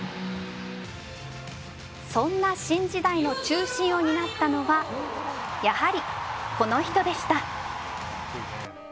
そんな新時代の中心を担ったのはやはり、この人でした。